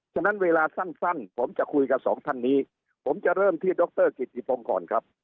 ฉะนั้นเวลาสั้นผมจะคุยกับสองท่านนี้ผมจะเริ่มที่ดรกิติพงศ์ก่อนครับ